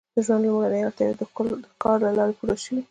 د ژوند لومړنۍ اړتیاوې د ښکار له لارې پوره شوې.